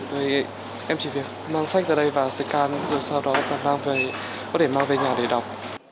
thì em chỉ việc mang sách ra đây và scan rồi sau đó bạn mang về có thể mang về nhà để đọc